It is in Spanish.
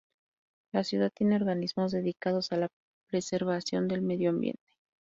La ciudad tiene organismos dedicados a la preservación del medio ambiente.